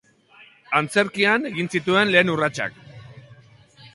Antzerkian egin zituen lehen urratsak.